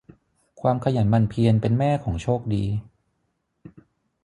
ความขยันหมั่นเพียรเป็นแม่ของโชคดี